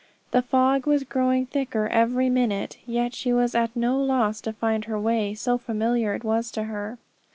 The fog was growing thicker every minute, yet she was at no loss to find her way, so familiar it was to her.